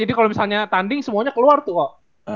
jadi kalau misalnya tanding semuanya keluar tuh kok